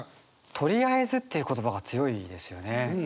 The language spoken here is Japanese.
「とりあえず」っていう言葉が強いですよね。